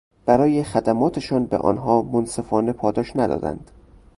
برای خدماتشان به آنها منصفانه پاداش ندادند.